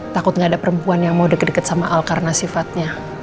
takut gak ada perempuan yang mau deket deket sama al karena sifatnya